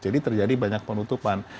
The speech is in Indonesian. jadi terjadi banyak penutupan